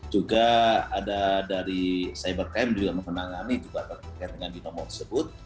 juga ada dari cybercam juga menangani juga terkait dengan binomo tersebut